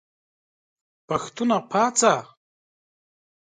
پښتونه پاڅه !